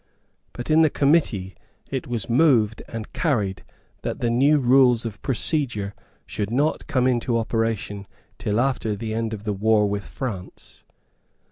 But in the committee it was moved and carried that the new rules of procedure should not come into operation till after the end of the war with France.